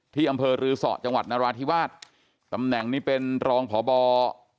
ที่อำเภอรือสอจังหวัดนราธิวาสตำแหน่งนี้เป็นรองพบ